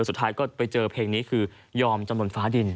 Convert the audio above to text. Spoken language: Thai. สุดท้ายก็ไปเจอเพลงนี้คือยอมจำนวนฟ้าดิน